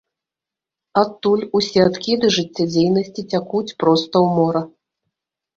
Адтуль усе адкіды жыццядзейнасці цякуць проста ў мора.